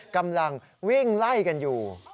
กำลังวิ่งไล่กันอยู่